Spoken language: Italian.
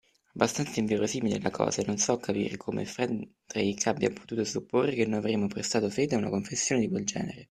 Abbastanza inverosimile la cosa e non so capire come Fred Drake abbia potuto supporre che noi avremmo prestato fede a una confessione di quel genere!